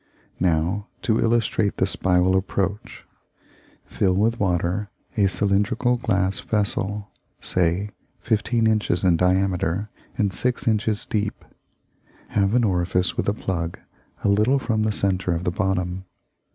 Now to illustrate the spiral approach. Fill with water a cylindrical glass vessel, say 15 inches in diameter and 6 inches deep. Have an orifice with a plug a little from the centre of the bottom.